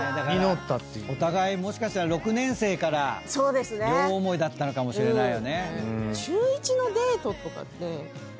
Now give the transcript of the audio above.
お互いもしかしたら６年生から両思いだったのかもしれないよね。